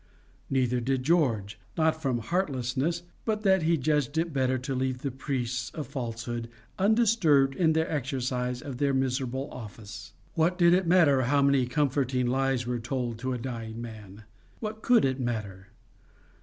Neither did George not from heartlessness, but that he judged it better to leave the priests of falsehood undisturbed in the exercise of their miserable office. What did it matter how many comforting lies were told to a dying man? What COULD it matter?